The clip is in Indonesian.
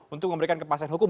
untuk memberikan kepastian hukum